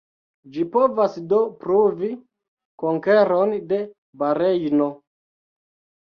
Ĝi povas do pruvi konkeron de Barejno.